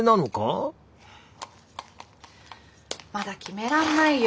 まだ決めらんないよ